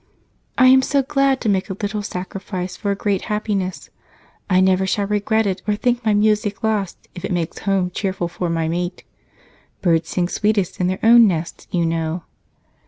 "I am so glad to make a little sacrifice for a great happiness I never shall regret it or think my music lost if it makes home cheerful for my mate. Birds sing sweetest in their own nests, you know."